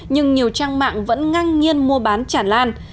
nhưng nhiều trang mạng vẫn ngang nhiên mua bán chản lan